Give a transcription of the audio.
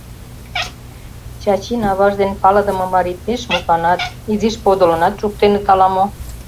Чачин аваж ден палыдыме марий пеш мутланат, изиш подылынат шуктеныт ала-мо...